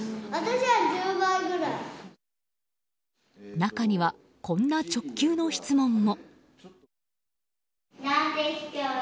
中には、こんな直球の質問も。